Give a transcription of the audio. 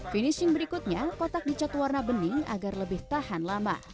finishing berikutnya kotak dicat warna bening agar lebih tahan lama